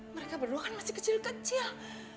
mereka berdua kan masih kecil kecil